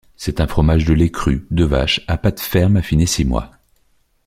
C’est un fromage de lait cru de vache à pâte ferme affiné six mois.